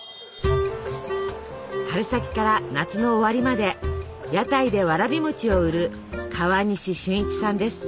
春先から夏の終わりまで屋台でわらび餅を売る川西俊一さんです。